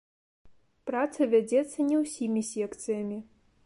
Праца вядзецца не ўсімі секцыямі.